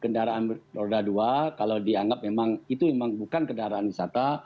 karena kita ketahui bersama kalau menggunakan kendaraan roda dua kalau dianggap memang itu memang bukan kendaraan wisata